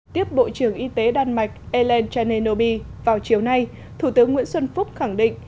tiếp bộ trưởng y tế đan mạch ellen chanenobi vào chiều nay thủ tướng nguyễn xuân phúc khẳng định